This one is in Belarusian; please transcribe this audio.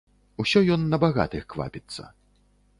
Усё ён на багатых квапіцца.